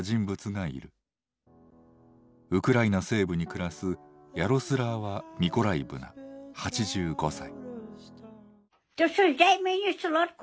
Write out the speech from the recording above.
ウクライナ西部に暮らすヤロスラーワ・ミコライブナ８５歳。